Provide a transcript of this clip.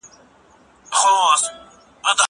زه کولای شم کتاب ولولم!